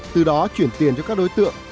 từ đó chuyển tiền cho các đối tượng